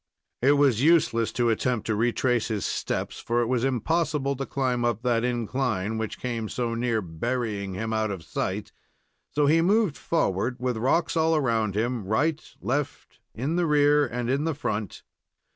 It was useless to attempt to retrace his steps, for it was impossible to climb up that incline, which came so near burying him out of sight, so he moved forward, with rocks all around him right, left, in the rear, and in the front.